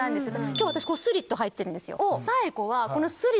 今日私スリットはいてるんですよ。